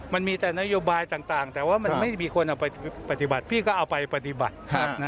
มันมีแต่นโยบายต่างแต่ว่ามันไม่มีคนเอาไปปฏิบัติพี่ก็เอาไปปฏิบัติ